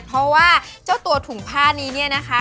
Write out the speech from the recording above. เพราะว่าเจ้าตัวถุงผ้านี้เนี่ยนะคะ